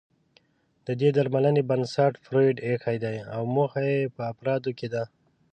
د دې درملنې بنسټ فرویډ اېښی دی او موخه يې په افرادو کې د